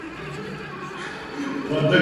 Dieffenbach was born in Giessen.